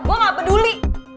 gue gak peduli